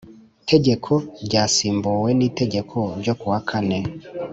tegeko ryasimbuwe nitegeko ryo ku wa kane